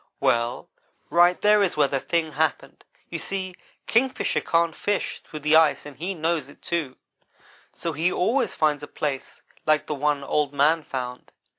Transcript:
"Well right there is where the thing happened. You see, Kingfisher can't fish through the ice and he knows it, too; so he always finds places like the one Old man found.